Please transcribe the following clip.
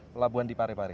pelabuhan di parepare